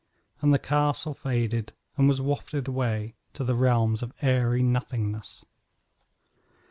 And the castle faded and was wafted away to the realms of airy nothingness.